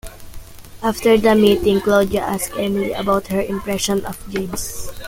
After the meeting, Claudia asks Emily about her impressions of James.